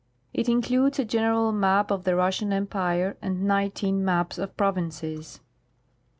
It includes a general map of the Russian Empire and nineteen maps of provinces.